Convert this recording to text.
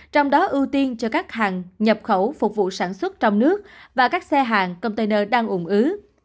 trong đó ưu tiên cho các hàng nhập khẩu phục vụ sản xuất trong nước và các xe hàng container đang ủng ứ